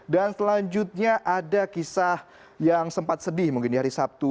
dan selanjutnya ada kisah yang sempat sedih mungkin di hari sabtu